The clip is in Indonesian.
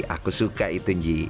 aku suka itu ji